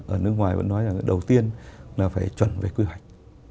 ở nước ngoài vẫn nói là đầu tiên là phải chuẩn về quy hoạch